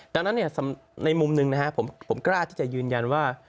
ดังนั้นในมุมหนึ่งนะครับผมกล้าที่จะยืนยันว่า